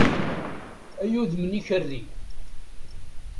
Ay udem n ikerri!